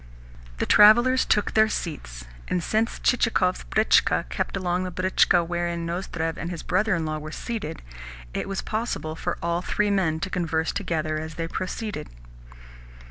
The travellers then took their seats, and since Chichikov's britchka kept alongside the britchka wherein Nozdrev and his brother in law were seated, it was possible for all three men to converse together as they proceeded.